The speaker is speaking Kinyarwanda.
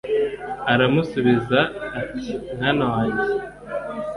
aramusubiza ati mwana wanjye